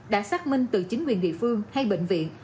đã xác minh từ chính quyền địa phương hay bệnh viện